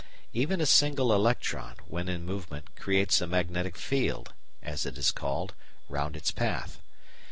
Even a single electron, when in movement, creates a magnetic "field," as it is called, round its path.